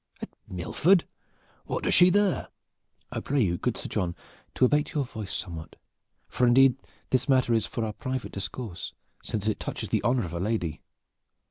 "At Milford? What does she there?" "I pray you, good Sir John, to abate your voice somewhat, for indeed this matter is for our private discourse, since it touches the honor of a lady."